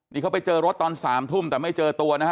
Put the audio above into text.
นี่เขาไปเจอรถตอน๓ทุ่มแต่ไม่เจอตัวนะฮะ